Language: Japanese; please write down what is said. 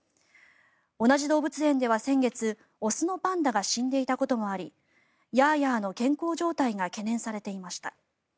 同じ動物園では先月雄のパンダが死んでいたこともありヤーヤーの健康状態が懸念されていました。